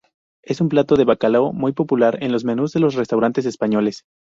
Es un plato de bacalao muy popular en los menús de los restaurantes españoles.